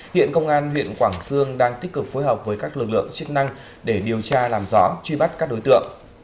hiện công an huyện quảng sương đang tích cực phối hợp với các lực lượng chức năng để điều tra làm rõ truy bắt các đối tượng